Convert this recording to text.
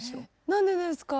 何でですか？